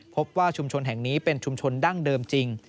พบว่าชุมชนแห่งนี้เป็นชุมชนดั้งเดิมจริง